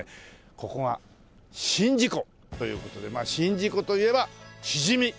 ここは宍道湖という事で宍道湖といえばしじみ。